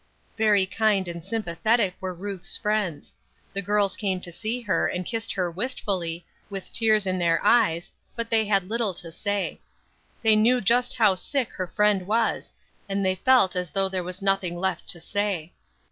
Very kind and sympathetic were Ruth's friends. The girls came to see her, and kissed her wistfully, with tears in their eyes, but they had little to say. They knew just how sick her friend was, and they felt as though there was nothing left to say.